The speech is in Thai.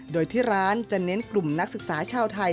โดยที่ร้านจะเน้นกลุ่มนักศึกษาชาวไทย